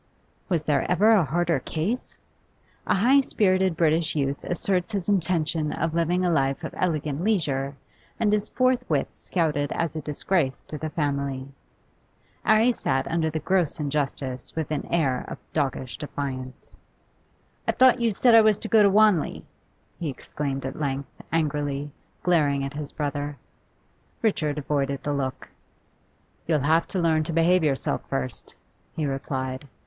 Was there ever a harder case? A high spirited British youth asserts his intention of living a life of elegant leisure, and is forthwith scouted as a disgrace to the family. 'Arry sat under the gross injustice with an air of doggish defiance. 'I thought you said I was to go to Wanley?' he exclaimed at length, angrily, glaring at his brother. Richard avoided the look. 'You'll have to learn to behave yourself first,' he replied.